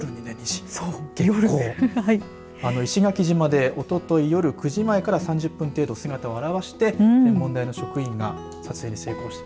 あの石垣島でおととい夜９時前から３０分程度、姿を現して天文台の職員が撮影に成功した。